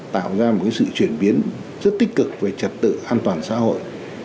tạo ra một sự chuyển biến rất tích cực về trật tự an toàn xã hội